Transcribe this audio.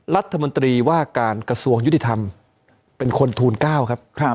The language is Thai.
รัฐมนตรีว่าการกระทรวงยุติธรรมเป็นคนทูล๙ครับ